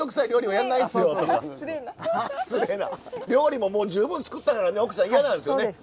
料理ももう十分作ったからね奥さん嫌なんすよね。